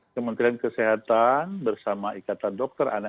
kementerian kesehatan bersama ikatan dokter anak